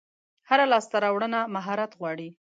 هره لاسته راوړنه مهارت غواړي.